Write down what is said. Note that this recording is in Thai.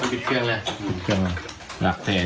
ปิดเครื่องเลย